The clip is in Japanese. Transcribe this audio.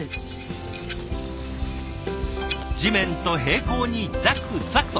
地面と平行にザクザクと。